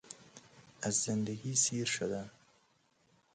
اززند گی سیرشدم